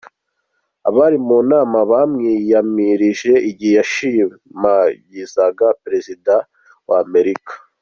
Abari mu nama bamwiyamirije igihe yashimagiza prezida wa Amerika.